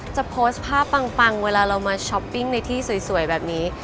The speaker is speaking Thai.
จะโพสต์ภาพปังเวลาเรามาช้อปปิ้งในที่สวยแบบนี้